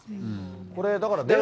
これ、だから。